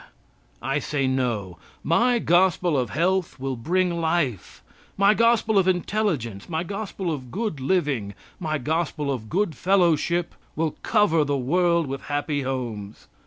I say no. My gospel of health will bring life. My gospel of intelligence, my gospel of good living, my gospel of good fellowship will cover the world with happy homes.